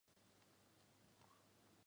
乾隆六十年任安徽池州营都司。